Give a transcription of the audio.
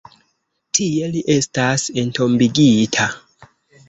Tie li estas entombigita.